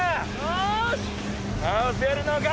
よーし倒せるのか？